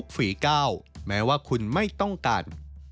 แม้ว่าคุณไม่ต้องการ